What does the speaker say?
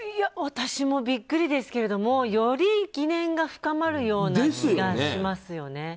私もビックリですけどより疑念が深まるような気がしますよね。